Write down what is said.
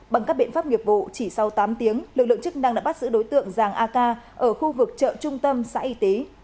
bằng các biện pháp nghiệp vụ chỉ sau tám tiếng lực lượng chức năng đã bắt giữ đối tượng giàng a ca ở khu vực chợ trung tâm xã y tý